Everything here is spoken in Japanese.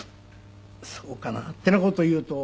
「そうかな」ってな事を言うと。